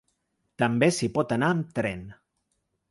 També s’hi pot anar amb tren.